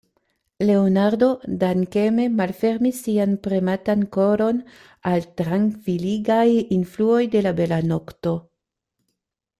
Leonardo dankeme malfermis sian prematan koron al trankviligaj influoj de la bela nokto.